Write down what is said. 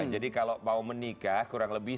jadi kalau mau menikah kurang lebih